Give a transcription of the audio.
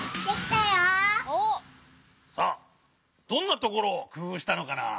さあどんなところをくふうしたのかな？